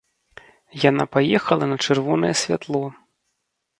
Яна паехала на чырвонае святло.